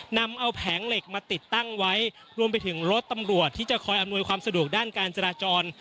นำเอาแผงเหล็กมาติดตั้งไว้รวมไปถึงรถตำรวจที่จะคอยอำนวยความสะดวกด้านการจราจร